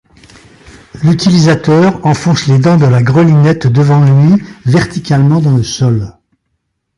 L'utilisateur enfonce les dents de la grelinette devant lui verticalement dans le sol.